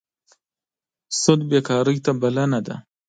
سود بېکارۍ ته بلنه ده.